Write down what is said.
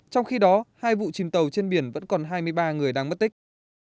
trong khi đó hai vụ chìm tàu trên biển vẫn còn hai mươi ba người đang mất tích